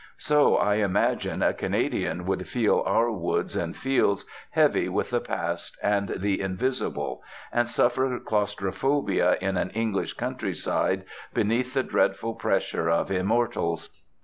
So, I imagine, a Canadian would feel our woods and fields heavy with the past and the invisible, and suffer claustrophobia in an English countryside beneath the dreadful pressure of immortals.